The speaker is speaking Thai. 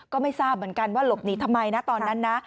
ก็ไม่ทราบเหมือนกันว่าหลบหนีทำไมนะตอนนั้นนะ